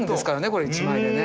これ１枚でね。